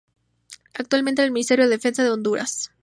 Actualmente es el Ministro de Defensa de Honduras.